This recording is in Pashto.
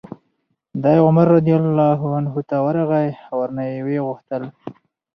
دی عمر رضي الله عنه ته ورغی او ورنه ویې غوښتل